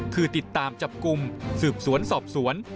คือติดตามจับกลุ่มสืบสวนสอบสวน